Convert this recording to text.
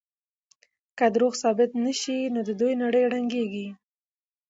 که دروغ ثابت شي نو د دوی نړۍ ړنګېږي.